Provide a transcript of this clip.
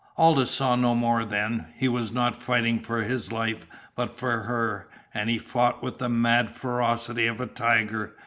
Aldous saw no more then. He was not fighting for his life, but for her, and he fought with the mad ferocity of a tiger.